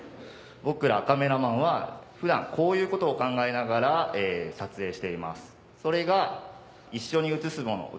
僕らカメラマンは普段こういうことを考えながら撮影していますそれが。